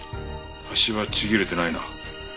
端はちぎれてないな。